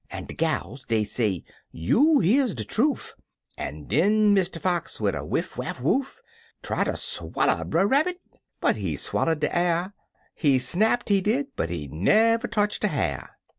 An' de gals dey say, " You hears de trufe! " An' den Mr. Fox, wid a wiff waff woof! Try ter swaller Brer Rabbit, but he swaller'd de^i'r; He snapped, he did, but he never totch a ha'r.